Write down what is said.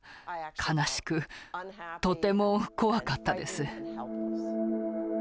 悲しくとても怖かったです。